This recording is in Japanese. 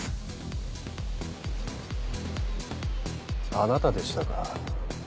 あなたでしたか。